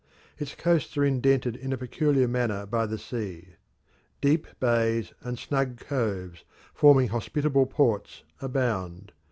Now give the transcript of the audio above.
Its coasts are indented in a peculiar manner by the sea. Deep bays and snug coves, forming hospitable ports, abound.